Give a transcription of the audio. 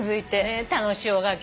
楽しいおはがき。